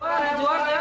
pak ngejual ya